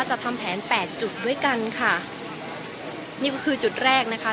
จะทำแผนแปดจุดด้วยกันค่ะนี่ก็คือจุดแรกนะคะ